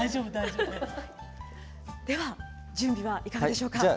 準備はいかがでしょうか。